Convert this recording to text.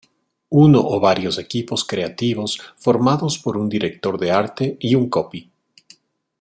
Uno o varios equipos creativos, formados por un director de arte y un copy.